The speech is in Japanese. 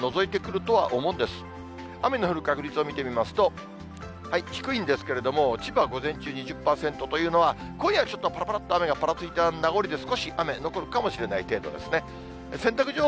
雨の降る確率を見てみますと、低いんですけれども、千葉は午前中２０％というのは、今夜はちょっとぱらぱらっと雨がぱらついた名残で、少し、雨、残るかもしれない程度ですね。